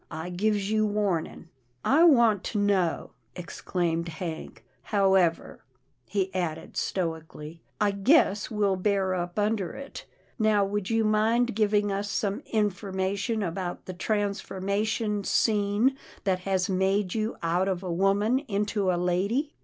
I gives you warnin'." " I want to know !" exclaimed Hank, " how ever," he added stoically, " I guess we'll bear up under it — Now would you mind giving us some information about the transformation scene that has made you out of a woman into a lady?